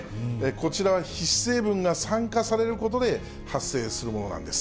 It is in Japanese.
こちらは、皮脂成分が酸化されることで発生するものなんです。